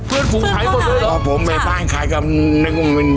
เพื่อนฝูงขายหมดเลยเหรอ